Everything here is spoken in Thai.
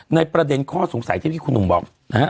ในประเด็นข้อสงสัยที่พี่คุณหนุ่มบอกนะฮะ